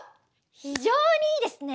非常にいいですね！